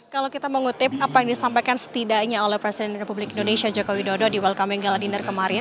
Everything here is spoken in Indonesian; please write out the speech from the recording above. kalau kita mengutip apa yang disampaikan setidaknya oleh presiden republik indonesia joko widodo di welcomeng gala dinner kemarin